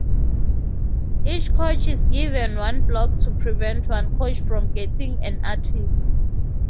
Each coach is given one block to prevent one coach from getting an artist.